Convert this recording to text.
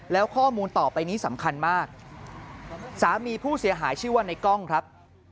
แล้วข้อมูลต่อไปนี้สำคัญมากสามีผู้เสียหายชื่อว่าในกล้องครับ